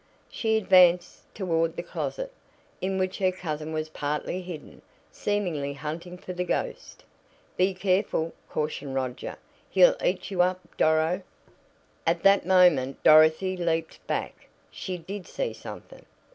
She advanced toward the closet, in which her cousin was partly hidden, seemingly hunting for the ghost. "Be careful," cautioned Roger, "He'll eat you up, Doro." At that moment Dorothy leaped back. She did see something.